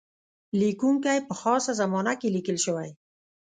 لیکونکی په خاصه زمانه کې لیکل شوی.